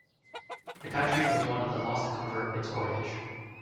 The country was one of the last to convert its coinage.